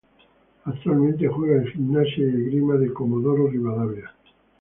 Actualmente juega en Gimnasia y Esgrima de Comodoro Rivadavia.